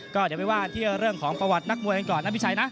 ก็เดี๋ยวไปว่ากันที่เรื่องของประวัตินักมวยกันก่อนนะพี่ชัยนะ